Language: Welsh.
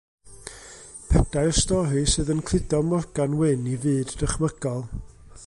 Pedair stori sydd yn cludo Morgan Wyn i fyd dychmygol.